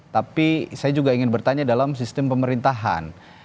tapi saya juga ingin bertanya dalam sistem pemerintahan